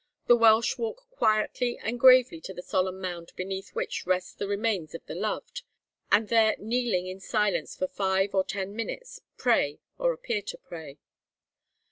The Welsh walk quietly and gravely to the solemn mound beneath which rest the remains of the loved, and there kneeling in silence for five or ten minutes, pray or appear to pray.